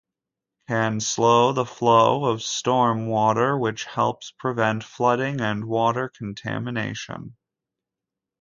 Can slow the flow of storm water which helps prevent flooding and water contamination.